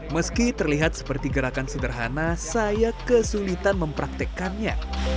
meski terlihat seperti gerakan sederhana saya kesulitan mempraktekkannya